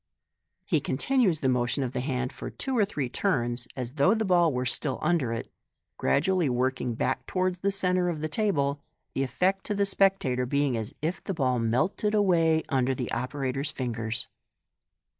He continues the motion of the hand for two or three turns, as though the ball was still under it, gradually working back towards the centre of the table, the effect to the spectator being as if the ball melted away under the operator*! fingers.